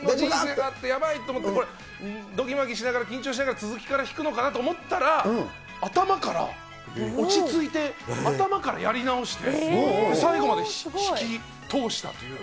これ、娘の人生がって、やばいと思って、どぎまぎしながら、続きから弾くのかなと思ったら、頭から、落ち着いて、頭からやり直して、最後まで弾き通したという。